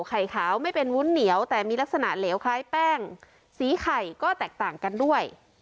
ไข่ขาวไม่เป็นวุ้นเหนียวแต่มีลักษณะเหลวคล้ายแป้งสีไข่ก็แตกต่างกันด้วย